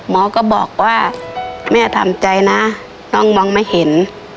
หมอก็บอกว่าแม่ทำใจนะน้องมองไม่เห็น